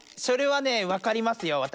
それはねわかりますよ